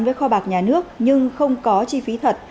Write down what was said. với kho bạc nhà nước nhưng không có chi phí thật